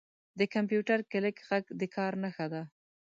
• د کمپیوټر کلیک ږغ د کار نښه ده.